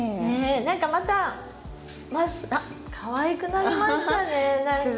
何かまたあっかわいくなりましたね何か。